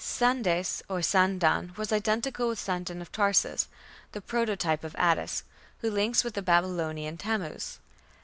Sandes or Sandan was identical with Sandon of Tarsus, "the prototype of Attis", who links with the Babylonian Tammuz.